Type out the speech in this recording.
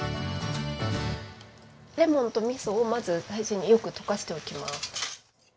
レモンとみそをまず最初によく溶かしておきます。